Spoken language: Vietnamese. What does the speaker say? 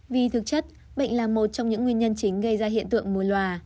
vì thực chất bệnh là một trong những nguyên nhân chính gây ra hiện tượng mùa loà